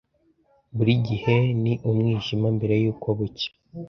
Buri gihe ni umwijima mbere yuko bucya.